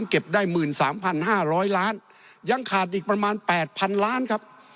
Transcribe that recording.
เก็บได้หมื่นสามพันห้าร้อยล้านยังขาดอีกประมาณแปดพันล้านครับ